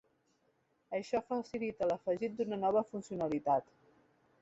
Això facilita l'afegit d'una nova funcionalitat.